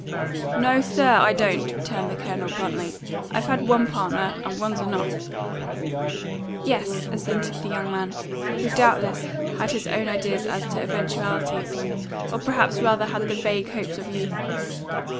"No, sir, I don't," returned the Colonel bluntly. "I've had one partner, and one's enough." "Yes," assented the young man, who doubtless had his own ideas as to eventualities or perhaps rather had the vague hopes of youth.